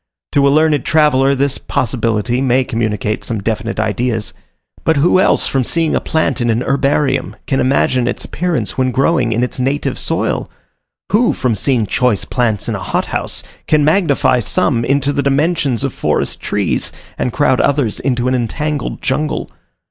To a learned traveller this possibly may communicate some definite ideas: but who else from seeing a plant in an herbarium can imagine its appearance when growing in its native soil? Who from seeing choice plants in a hothouse, can magnify some into the dimensions of forest trees, and crowd others into an entangled jungle?